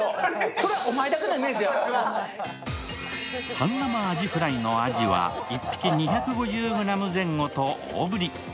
半生アジフライのアジは１匹２５０ｇ前後と大ぶり。